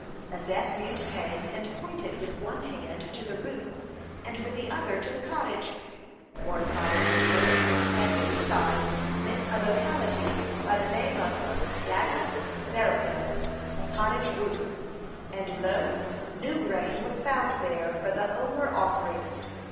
A deaf mute came and pointed with one hand to the roof and with the other to the cottage. Mordecai understood that these signs meant a locality by the name of Gagot Zerifim, Cottage Roofs, and, lo, new grain was found there for the 'Omer offering.